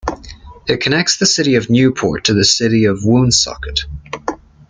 It connects the city of Newport to the city of Woonsocket.